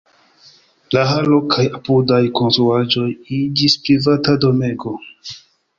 La halo kaj apudaj konstruaĵoj iĝis privata domego.